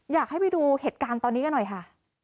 อยากให้ไปดูเหตุการณ์ตอนนี้กันหน่อยค่ะ